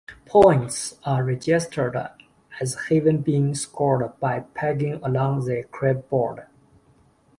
Points are registered as having been scored by "pegging" along the crib board.